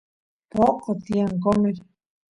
poqo tiyan qomer